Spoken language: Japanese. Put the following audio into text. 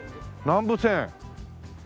南武線。